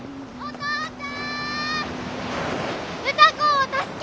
父ちゃん！